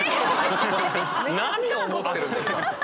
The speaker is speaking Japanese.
何を思ってるんですか？